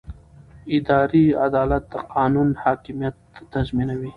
اداري عدالت د قانون حاکمیت تضمینوي.